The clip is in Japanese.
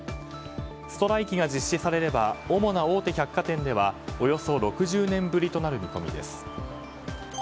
ストライキが実施されれば主な大手百貨店ではおよそ６０年ぶりとなる見込みです。